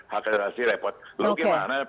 hak asasi repot lagi mana